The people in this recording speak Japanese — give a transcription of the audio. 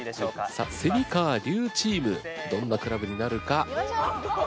さあ川・笠チームどんなクラブになるか？